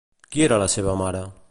Qui era la seva mare?